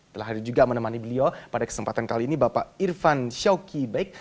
telah hadir juga menemani beliau pada kesempatan kali ini bapak irfan showki baik